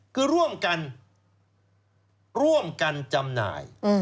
คือร่วมกันร่วมกันจำหน่าย